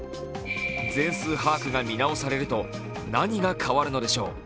全数把握が見直されると何が変わるのでしょう。